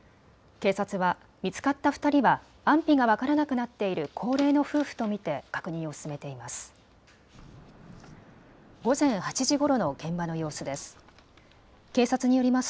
警察は見つかった２人は安否が分からなくなっている高齢の夫婦と見て確認を進めています。